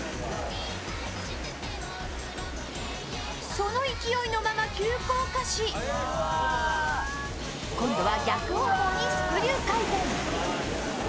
その勢いのまま急降下し今度は逆方向にスクリュー回転。